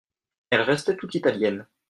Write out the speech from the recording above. Elle restait tout Italienne.